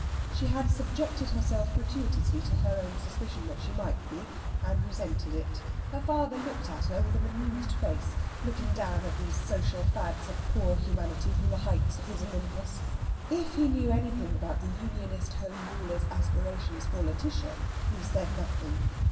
She had subjected herself gratuitously to her own suspicion that she might be, and resented it. Her father looked at her with an amused face; looked down at these social fads of poor humanity from the height of his Olympus. If he knew anything about the Unionist Home Ruler's aspirations for Lætitia, he said nothing.